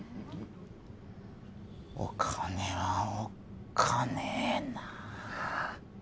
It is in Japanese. お金はおっかねーな